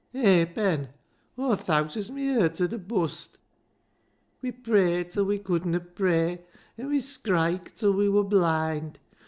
Hay, Ben, Aw thowt as mi hert 'ud a bust. We prayed till we couldna pray, an' we skriked till we wur blind.